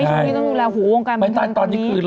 ใช่ตรงนี้ต้องดูแลหัววงการบันทึกคนนี้